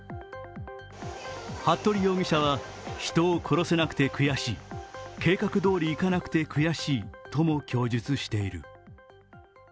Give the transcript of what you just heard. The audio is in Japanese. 服部容疑者は、人を殺せなくて悔しい、計画どおりいかなくて悔しいとも供述している。